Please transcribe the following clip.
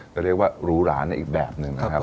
ก็เรียกว่าหรูหราในอีกแบบหนึ่งนะครับ